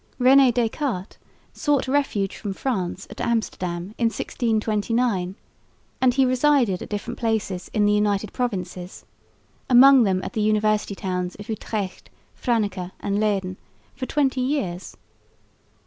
Réné Descartes sought refuge from France at Amsterdam in 1629, and he resided at different places in the United Provinces, among them at the university towns of Utrecht, Franeker and Leyden, for twenty years.